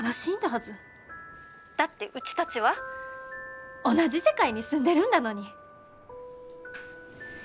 ☎だってうちたちは同じ世界に住んでるんだのに。